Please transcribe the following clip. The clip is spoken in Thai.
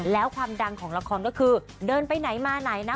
แล้วความดังของละครก็คือเดินไปไหนมาไหนนะ